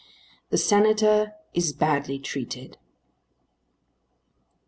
THE SENATOR IS BADLY TREATED.